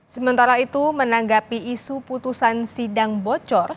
sementara itu menanggapi isu putusan sidang bocor